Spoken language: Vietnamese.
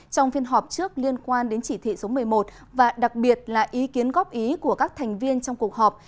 trong phiên họp trước liên quan đến chỉ thị số một mươi một và đặc biệt là ý kiến góp ý của các thành viên trong cuộc họp